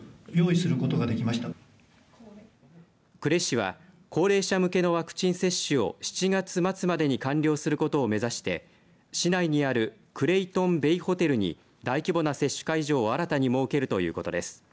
呉市は高齢者向けのワクチン接種を７月末までに完了することを目指して市内にあるクレイトンベイホテルに大規模な接種会場を新たに設けるということです。